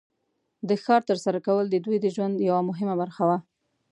د ښکار تر سره کول د دوی د ژوند یو مهمه برخه وه.